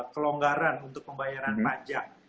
kelonggaran untuk pembayaran pajak